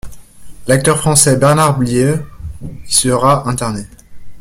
L'acteur français Bernard Blier y sera interné.